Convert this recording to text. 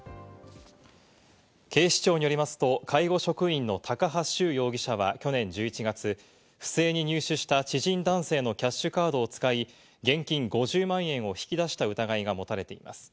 警視庁によりますと、介護職員の高羽秀容疑者は去年１１月、不正に入手した知人男性のキャッシュカードを使い、現金５０万円を引き出した疑いが持たれています。